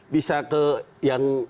bisa ke yang